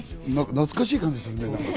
懐かしい感じするね。